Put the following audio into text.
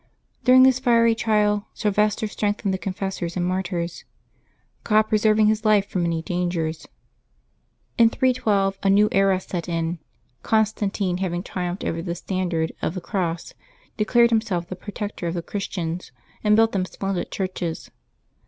During this fiery trial, Sylvester strengthened the confessors and martyrs, God preserving his life from many dangers. In 312 a new era set in. Constantino, having triumphed under the '' standard of the Cross," declared himself the protector of the Christians, and built them splendid churches.